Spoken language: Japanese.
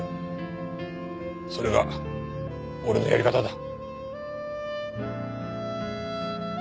それが俺のやり方だ。